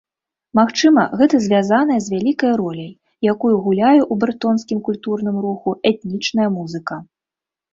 Магчыма, гэта звязаная з вялікай роляй, якую гуляе ў брэтонскім культурным руху этнічная музыка.